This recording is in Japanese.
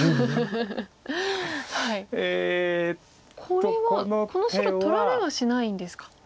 これはこの白取られはしないんですか。